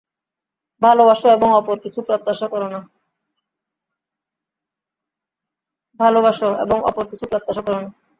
ভালবাস এবং অপর কিছু প্রত্যাশা কর না।